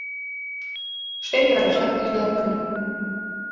Шедыражат лиялтын.